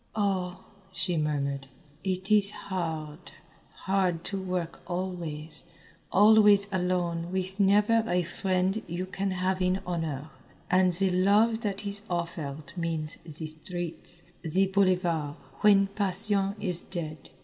"Oh," she murmured, "it is hard, hard to work always always alone with never a friend you can have in honour, and the love that is offered means the streets, the boulevard when passion is dead.